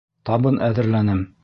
Табын әҙерләнем.